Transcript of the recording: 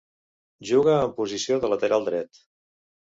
Juga en posició de lateral dret.